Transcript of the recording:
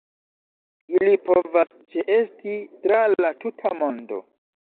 Ili povas ĉeesti tra la tuta mondo.